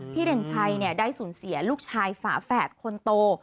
เด่นชัยได้สูญเสียลูกชายฝาแฝดคนโต